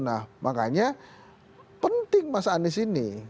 nah makanya penting mas anies ini